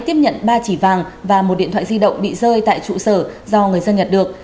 tiếp nhận ba chỉ vàng và một điện thoại di động bị rơi tại trụ sở do người dân nhặt được